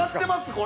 これ。